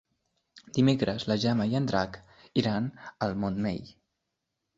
Dimecres na Gemma i en Drac iran al Montmell.